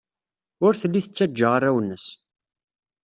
Ur telli tettajja arraw-nnes.